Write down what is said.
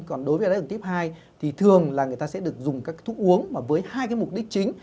còn đối với đài tháo đường tiếp hai thì thường là người ta sẽ được dùng các thuốc uống với hai mục đích chính